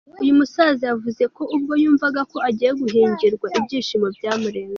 Uyu musaza yavuze ko ubwo yumvaga ko agiye guhingirwa ibyishimo byamurenze.